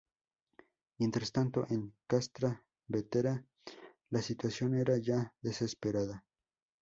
Mientras tanto, en "Castra Vetera" la situación era ya desesperada.